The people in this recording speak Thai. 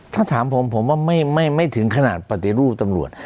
ถ้าถามผมผมว่าไม่ถึงขนาดปฏิรูปตำรวจ